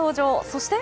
そして